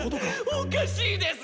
おかしいです。